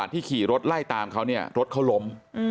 ที่ขี่รถไล่ตามเขาเนี่ยรถเขาล้ม